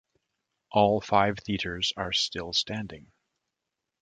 All five theaters are still standing.